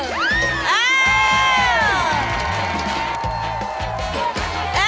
สองแล้ว